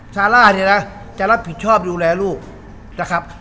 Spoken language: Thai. ซาร่าเนี่ยนะจะรับผิดชอบดูแลลูกนะครับ